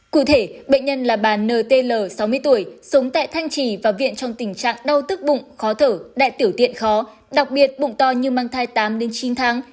cụ thể bệnh nhân là bà nt sáu mươi tuổi sống tại thanh trì và viện trong tình trạng đau tức bụng khó thở đại tiểu tiện khó đặc biệt bụng to như mang thai tám chín tháng